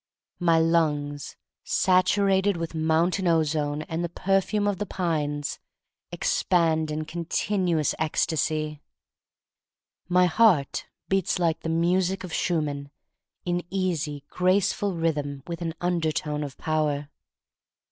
My lungs, saturated with mountain ozone and the perfume of the pines, expand in continuous ecstasy. My heart beats like the music of Schumann, in easy, graceful rhythm with an undertone of power.